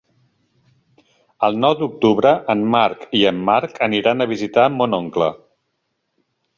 El nou d'octubre en Marc i en Marc aniran a visitar mon oncle.